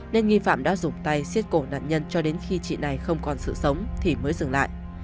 nên nghi phạm đã dùng tay xiết cổ nạn nhân cho đến khi chị này không còn sự sống thì mới dừng lại